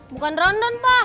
bukan rondon pak